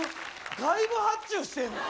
外部発注してんの？え？